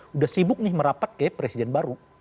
sudah sibuk nih merapat ke presiden baru